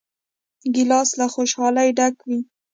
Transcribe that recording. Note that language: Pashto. ګیلاس له خوشحالۍ ډک وي.